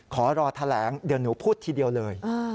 ขอรอแถลงเดี๋ยวหนูพูดทีเดียวเลย